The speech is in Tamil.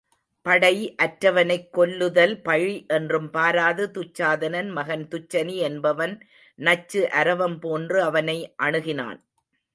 படை அற்றவனைக்கொல்லுதல் பழி என்றும் பாராது துச்சாதனன் மகன் துச்சனி என்பவன் நச்சு அரவம் போன்று அவனை அணுகினான்.